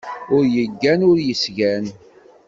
Ur yeggan ur yesgan.